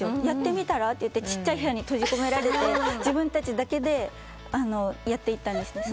「やってみたら？」ってちっちゃい部屋に閉じ込められて自分たちだけでやっていったんです。